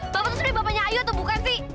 bapak tersuruh bapaknya ayo atau bukan sih